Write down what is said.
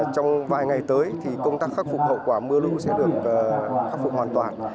trong vài ngày tới thì công tác khắc phục hậu quả mưa lũ sẽ được khắc phục hoàn toàn